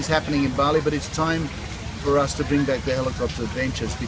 tapi saatnya kita membawa helikopter kembali